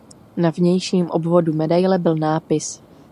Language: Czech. Na vnějším obvodu medaile byl nápis.